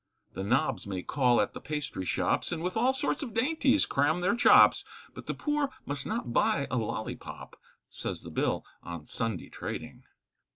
The nobs may call at the pastry shops And with all sorts of dainties cram their chops, But the poor must not buy a lollipop, Says the Bill on Sunday trading.